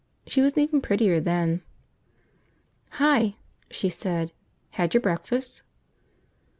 She was even prettier then. "Hi," she said. "Had your breakfast?"